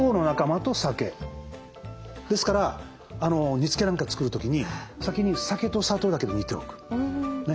ですから煮つけなんか作る時に先に酒と砂糖だけで煮ておく。